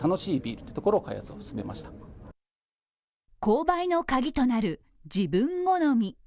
購買の鍵となる自分好み。